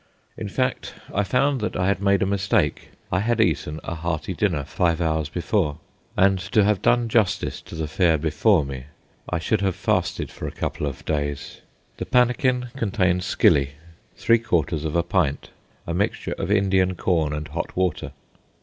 In fact, I found that I had made a mistake. I had eaten a hearty dinner five hours before, and to have done justice to the fare before me I should have fasted for a couple of days. The pannikin contained skilly, three quarters of a pint, a mixture of Indian corn and hot water.